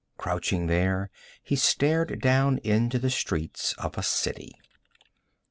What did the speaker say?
Crouching there he stared down into the streets of a city.